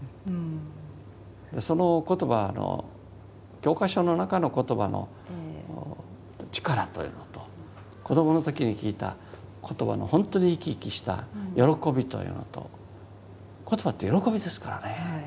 その言葉の教科書の中の言葉の力というのと子どもの時に聞いた言葉の本当に生き生きした喜びというのと言葉って喜びですからね。